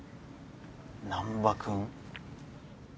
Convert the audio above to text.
・難破君？